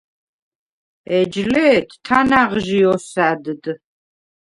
ეჯ ლე̄თ თანა̈ღჟი ოსა̈დდ.